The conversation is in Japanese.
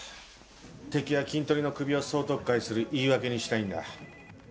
敵はキントリの首を総とっかえする言い訳にしたいんだ。